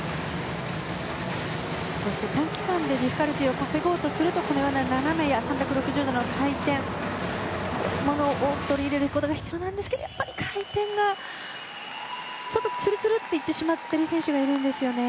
そして短期間でディフィカルティーを稼ごうとすると斜めや３６０度の回転を多く取り入れることが必要なんですけどやっぱり回転がちょっとつるつると行ってしまった選手がいるんですよね。